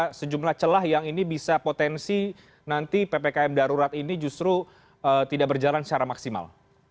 ada sejumlah celah yang ini bisa potensi nanti ppkm darurat ini justru tidak berjalan secara maksimal